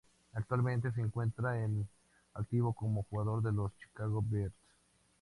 Actualmente se encuentra en activo como jugador de los Chicago Bears.